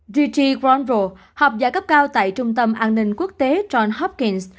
d t grondrell học giả cấp cao tại trung tâm an ninh quốc tế john hopkins